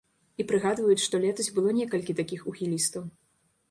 І прыгадваюць, што летась было некалькі такіх ухілістаў.